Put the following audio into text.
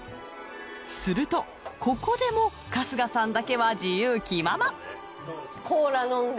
するとここでも春日さんだけは自由気ままコーラ飲んで。